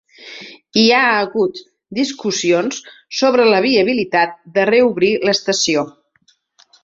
Hi ha hagut discussions sobre la viabilitat de reobrir l'estació.